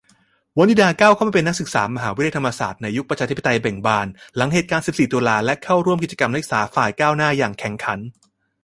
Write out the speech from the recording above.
วนิดาก้าวเข้ามาเป็นนักศึกษามหาวิทยาลัยธรรมศาสตร์ในยุคประชาธิปไตยเบ่งบาน หลังเหตุการณ์ สิบสี่ ตุลา และเข้าร่วมกิจกรรม นักศึกษาฝ่ายก้าวหน้าอย่างแข็งขัน